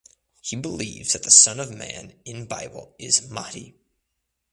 He believes that the Son of Man in Bible is Mahdi.